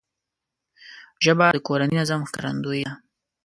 ژبه د کورني نظم ښکارندوی ده